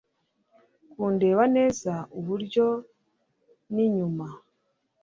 kundeba neza iburyo n'inyuma